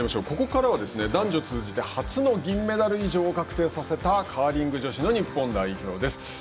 ここからは男女通じて初の銀メダル以上を確定させたカーリング女子の日本代表です。